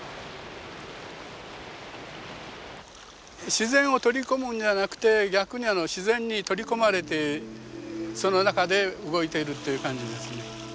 自然を取り込むんではなくて逆に自然に取り込まれてその中で動いているという感じですね。